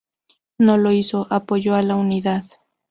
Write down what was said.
No lo hizo, apoyó a la unidad.